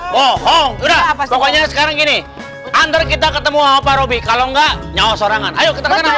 pokoknya sekarang gini ander kita ketemu apa robby kalau enggak nyawa sorangan ayo